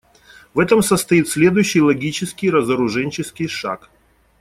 В этом состоит следующий логический разоруженческий шаг.